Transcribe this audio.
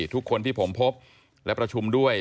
ทุกคนที่ผมพบและประชุมด้วย